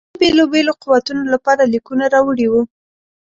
د هند د بېلو بېلو قوتونو لپاره لیکونه راوړي وه.